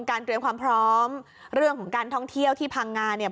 เตรียมความพร้อมเรื่องของการท่องเที่ยวที่พังงาเนี่ย